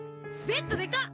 ベッドでかっ！